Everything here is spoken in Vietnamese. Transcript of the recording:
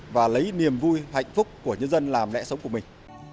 và lấy niềm vui hạnh phúc của nhân dân làm lẽ sống của mình